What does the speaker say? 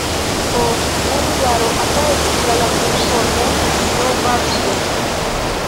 Post unu jaro aperis la latina formo ""Nova Villa"".